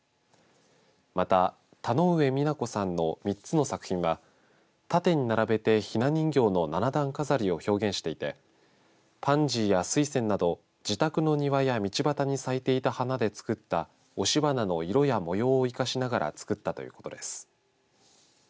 また、田上美奈子さんの３つの作品は縦に並べて、ひな人形の七段飾りを表現していてパンジーや水仙など自宅の庭や道端に咲いていた花で作った押し花の色や模様を生かしながら作ったということです。